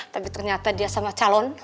tapi ternyata dia sama calon